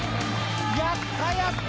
やったやった！